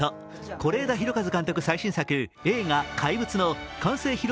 是枝裕和監督の最新作映画「怪物」の完成披露